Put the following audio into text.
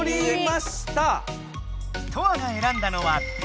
トアがえらんだのは「Ｂ」。